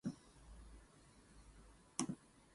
The line is single tracked.